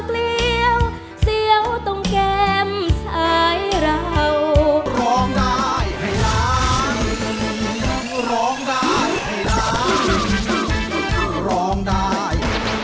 ร้องได้ร้องได้